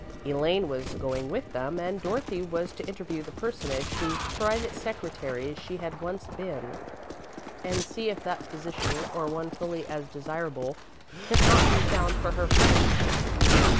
Elaine was going with them, and Dorothy was to interview the Personage whose private secretary she had once been, and see if that position or one fully as desirable could not be found for her friend.